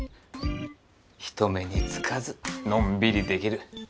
人目につかずのんびりできる。